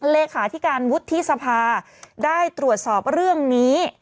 เลขาธิการวุฒิสภาได้ตรวจสอบเรื่องนี้